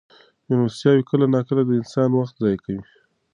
مېلمستیاوې کله ناکله د انسان وخت ضایع کوي.